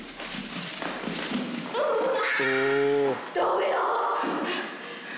うわ。